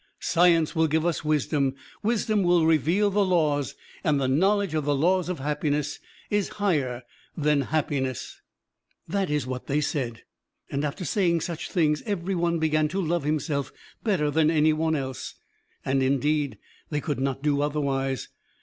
Science will give us wisdom, wisdom will reveal the laws, and the knowledge of the laws of happiness is higher than happiness." That is what they said, and after saying such things every one began to love himself better than any one else, and indeed they could not do otherwise.